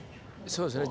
そうですね。